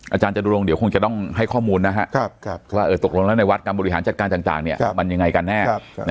อาจารย์จตุรงเดี๋ยวคงจะต้องให้ข้อมูลนะครับว่าตกลงแล้วในวัดการบริหารจัดการต่างมันยังไงกันแน่